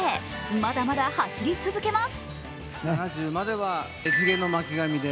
まだまだ走り続けます。